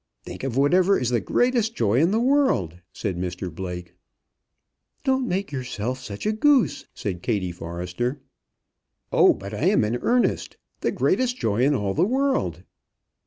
"Think of whatever is the greatest joy in the world," said Mr Blake. "Don't make yourself such a goose," said Kattie Forrester. "Oh, but I am in earnest. The greatest joy in all the world."